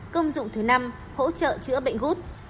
công dụng thứ năm hỗ trợ chữa bệnh gút